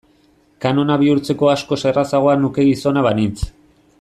Kanona bihurtzeko askoz errazagoa nuke gizona banintz.